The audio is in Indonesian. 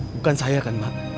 bukan saya kan mak